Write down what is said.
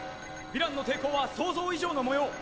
ヴィランの抵抗は想像以上の模様。